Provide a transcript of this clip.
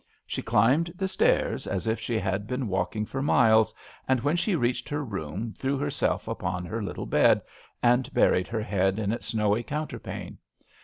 She climbed the stairs as if she had been walking for miles, and when she reached her room threw herself upon her little bed and buried her head in its snowy counterpane.